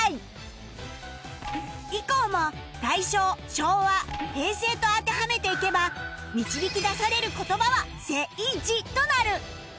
以降も大正昭和平成と当てはめていけば導き出される言葉は「せいじ」となる